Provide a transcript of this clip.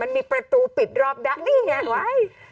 มันมีประตูปิดรอบดังนี่เห็นไหม